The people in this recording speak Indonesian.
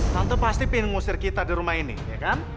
santo pasti pengen ngusir kita di rumah ini ya kan